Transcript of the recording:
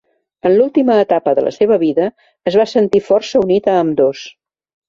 En l'última etapa de la seva vida es va sentir força unit a ambdós.